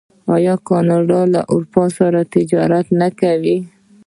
آیا کاناډا له اروپا سره تجارت نه کوي؟